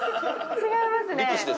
違いますね。